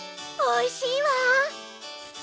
おいしい！